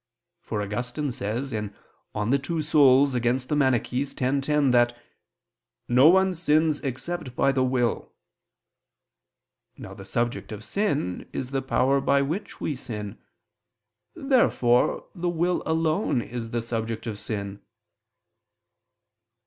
For Augustine says (De Duabus Anim. x, 10) that "no one sins except by the will." Now the subject of sin is the power by which we sin. Therefore the will alone is the subject of sin.